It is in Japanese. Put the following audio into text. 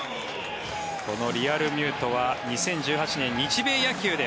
このリアルミュートは２０１８年、日米野球で